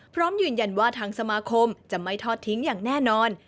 พร้อมยืนยันว่าทางสมาคมจะไม่ทอดทิ้งอย่างแน่นอน